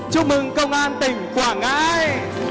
chúc mừng công an tỉnh quảng ngãi